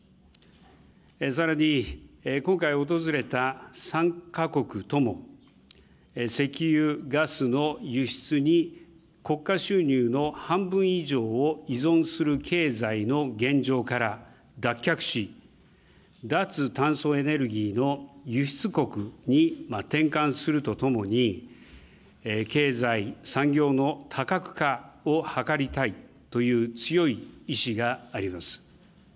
さらに、今回訪れた３か国とも石油、ガスの輸出に国家収入の半分以上を依存する経済の現状から脱却し、脱炭素エネルギーの輸出国に転換するとともに、経済、産業の多角化を図りたいという強い意志があります。